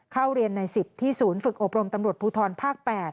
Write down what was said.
เข้าเรียนใน๑๐ที่ศูนย์ฝึกอบรมตำรวจภูทรภาค๘